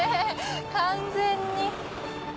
完全に。